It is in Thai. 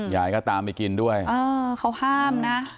ยายก็ตามไปกินด้วยเออเขาห้ามนะ